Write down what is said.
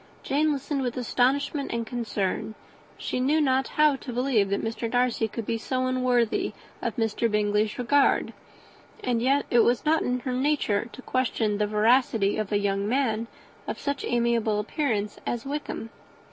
Jane listened with astonishment and concern: she knew not how to believe that Mr. Darcy could be so unworthy of Mr. Bingley's regard; and yet it was not in her nature to question the veracity of a young man of such amiable appearance as Wickham.